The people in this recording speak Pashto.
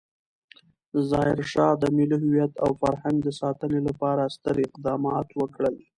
ظاهرشاه د ملي هویت او فرهنګ د ساتنې لپاره ستر اقدامات وکړل.